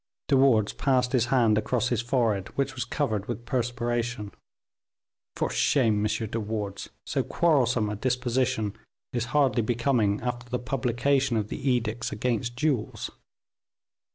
De Wardes passed his hand across his forehead, which was covered with perspiration. "For shame, M. de Wardes! so quarrelsome a disposition is hardly becoming after the publication of the edicts against duels.